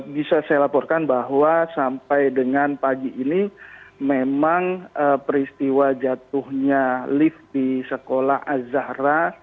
bisa saya laporkan bahwa sampai dengan pagi ini memang peristiwa jatuhnya lift di sekolah azahra